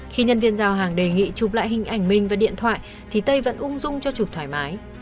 khi nhân viên giao hàng đề nghị chụp lại hình ảnh mình và điện thoại thì tây vẫn ung dung cho chụp thoải mái